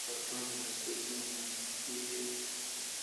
Hoja de datos de la especie en BirdLife